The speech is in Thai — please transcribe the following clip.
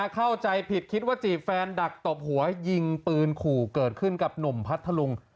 เข้าใจผิดคิดว่าจีบแฟนดักตบหัวยิงปืนขู่เกิดขึ้นกับหนุ่มพัทธลุง